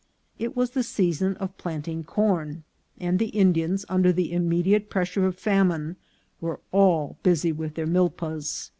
It was the season of planting corn, and the Indians, under the immediate pressure of famine, were all busy with their milpas.